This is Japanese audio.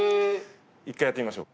１回やってみましょう。